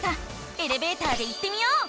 エレベーターで行ってみよう！